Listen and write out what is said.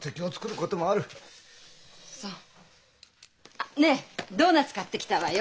あっねえドーナツ買ってきたわよ。